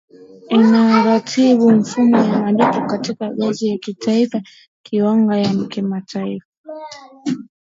inaratibu mifumo ya malipo katika ngazi ya kitaifa kikanda na kimataifa